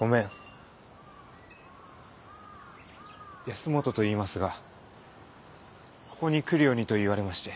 保本といいますがここに来るようにと言われまして。